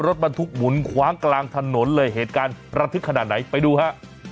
รถบรรทุกหมุนคว้างกลางถนนเลยเหตุการณ์ระทึกขนาดไหนไปดูฮะ